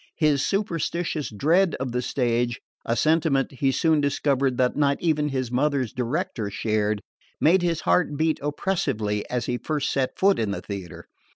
His superstitious dread of the stage (a sentiment, he soon discovered, that not even his mother's director shared) made his heart beat oppressively as he first set foot in the theatre.